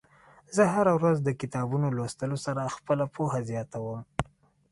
زه هره ورځ د کتابونو لوستلو سره خپله پوهه زياتوم.